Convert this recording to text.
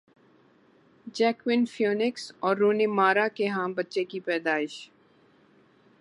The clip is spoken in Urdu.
جیکوئن فیونکس اور رونی مارا کے ہاں بچے کی پیدائش